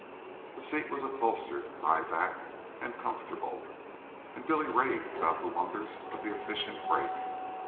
The seat was upholstered, high backed, and comfortable; and Billy raved about the wonders of the efficient brake.